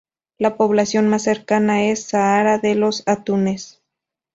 La población más cercana es Zahara de los Atunes.